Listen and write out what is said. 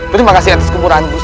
terima kasih atas kemurahan bu